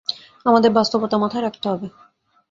আমাদের বাস্তবতা মাথায় রাখতে হবে।